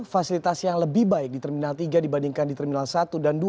fasilitas yang lebih baik di terminal tiga dibandingkan di terminal satu dan dua